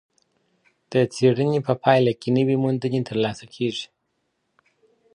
د څېړني په پایله کي نوې موندنې ترلاسه کېږي.